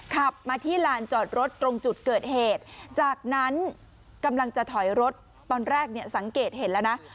ขับมาที่ลานจอดรถตรงจุดเกิดเหตุจากนั้นกำลังจะถอยรถตอนแรกเนี่ยสังเกตเห็นแล้วนะ